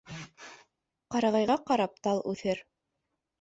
Ҡарағайға ҡарап тал үҫер.